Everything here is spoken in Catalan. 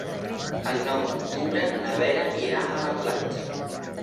El nou d'octubre na Vera irà a la platja.